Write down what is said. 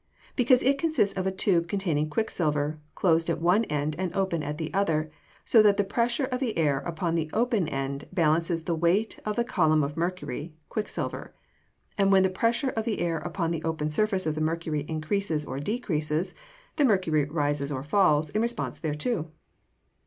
_ Because it consists of a tube containing quicksilver, closed at one end and open at the other, so that the pressure of the air upon the open end balances the weight of the column of mercury (quicksilver), and when the pressure of the air upon the open surface of the mercury increases or decreases, the mercury rises or falls in response thereto.